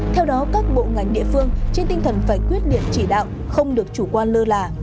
theo đó các bộ ngành địa phương trên tinh thần phải quyết liệt chỉ đạo không được chủ quan lơ là